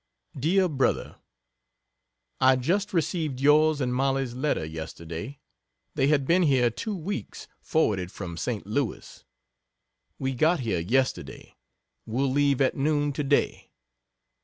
DEAR BROTHER, I just received yours and Mollies letter yesterday they had been here two weeks forwarded from St. Louis. We got here yesterday will leave at noon to day.